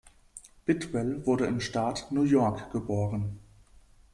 Bidwell wurde im Staat New York geboren.